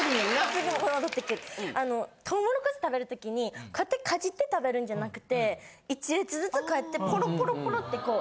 すぐ戻ってくるトウモロコシ食べる時にこうやってかじって食べるんじゃなくて１列ずつこうやってポロポロッてこう。